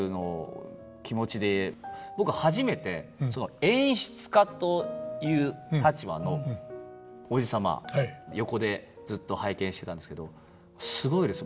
僕初めて演出家という立場のおじ様横でずっと拝見してたんですけどすごいです。